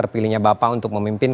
pilihnya bapak untuk memimpin